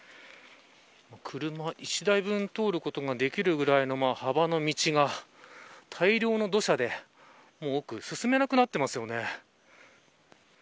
車１台分通ることができるぐらいの幅の道が大量の土砂でもう奥に進めなくなっていますね。